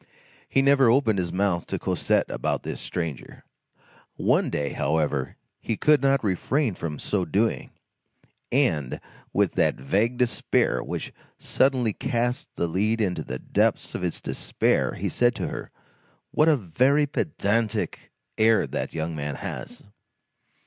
He never opened his mouth to Cosette about this stranger. One day, however, he could not refrain from so doing, and, with that vague despair which suddenly casts the lead into the depths of its despair, he said to her: "What a very pedantic air that young man has!"